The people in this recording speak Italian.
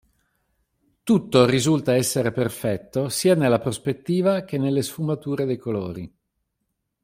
Tutto risulta essere perfetto sia nella prospettiva che nelle sfumature dei colori.